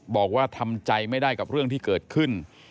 บอกว่าทำใจไม่ได้กับเรื่องที่เกิดขึ้น